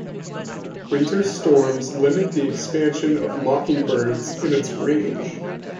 Winter storms limit the expansion of mockingbirds in its range.